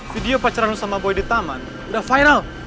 video pacaran sama boy di taman udah final